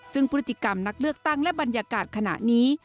ซึ่งพฤติกรรมนักเลือกตั้งและบรรยากาศขณะนี้